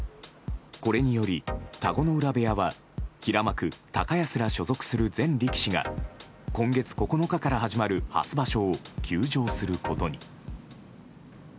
これにより、田子ノ浦部屋は平幕・高安ら所属する全力士が今月９日から始まる初場所を休場することに。